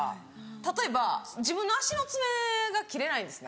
例えば自分の足の爪が切れないんですね。